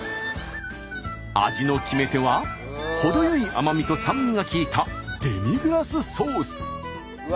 味の決め手は程よい甘みと酸味が利いたデミグラスソース。